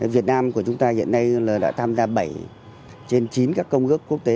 việt nam của chúng ta hiện nay đã tham gia bảy trên chín các công ước quốc tế